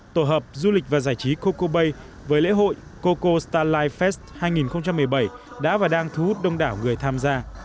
tổ hợp du lịch và giải trí coco bay với lễ hội coco stalife fest hai nghìn một mươi bảy đã và đang thu hút đông đảo người tham gia